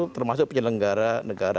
termasuk penyelenggara negara